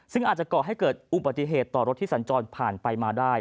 ซึ่งอาจจะก่อให้เกิดอุบัติเหตุต่อรถที่สัญจรผ่านไปมาได้